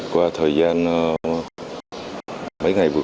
đặc biệt do diện tích nhỏ